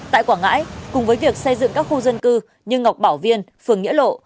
tại quảng ngãi cùng với việc xây dựng các khu dân cư như ngọc bảo viên phường nghĩa lộ